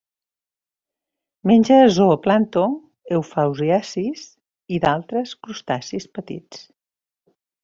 Menja zooplàncton, eufausiacis i d'altres crustacis petits.